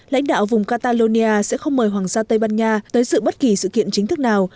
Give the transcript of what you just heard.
lãnh đạo vùng catalonia sẽ không mời hoàng gia tây ban nha tới dự bất kỳ sự kiện chính thức nào